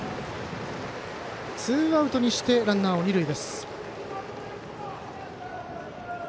ツーアウトにしてランナーを二塁。